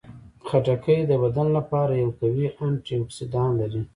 خټکی د بدن لپاره یو قوي انټياکسیدان لري.